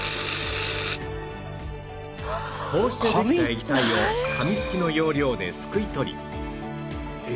こうしてできた液体を紙すきの要領ですくい取り